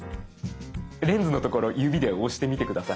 レンズの所指で押してみて下さい。